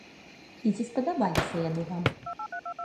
І ці спадабаліся яны вам?